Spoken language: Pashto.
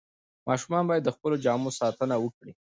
ماشومان باید د خپلو جامو ساتنه وکړي.